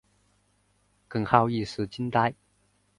耿浩一时惊呆。